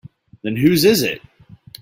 Then whose is it?